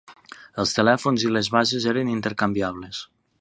Els telèfons i les bases eren intercanviables.